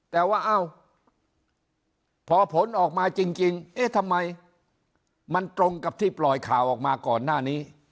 แต่ว่าเอ้าพอผลออกมาจริงเอ๊ะทำไมมันตรงกับที่ปล่อยข่าวออกมาก่อนหน้านี้